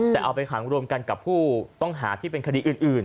แต่เอาไปขังรวมกันกับผู้ต้องหาที่เป็นคดีอื่น